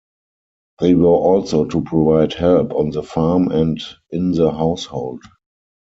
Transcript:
They were also to provide help on the farm and in the household.